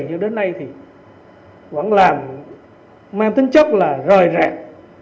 nhưng đến nay thì vẫn làm mang tính chất là rời rạng